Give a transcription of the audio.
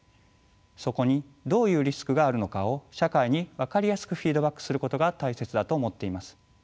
そこにどういうリスクがあるのかを社会に分かりやすくフィードバックすることが大切だと思っています。